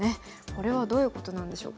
これはどういうことなんでしょうか。